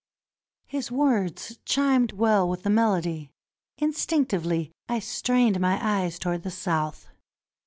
'^ His words chimed well with the melody. Instinctively I strained my eyes towards the south.